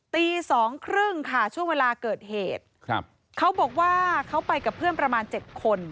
ตีสองครึ่งค่ะช่วงเวลาเกิดเหตุครับเขาบอกว่าเขาไปกับเพื่อนประมาณ๗คน